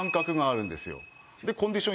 コンディション